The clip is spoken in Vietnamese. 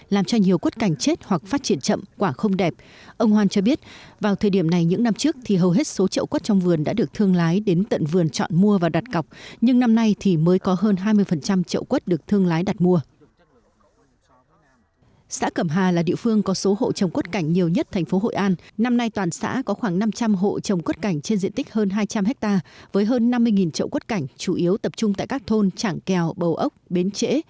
năm nay toàn xã có khoảng năm trăm linh hộ trồng quất cảnh trên diện tích hơn hai trăm linh hectare với hơn năm mươi trậu quất cảnh chủ yếu tập trung tại các thôn trảng kèo bầu ốc bến trễ